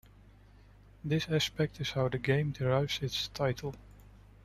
This aspect is how the game derives its title.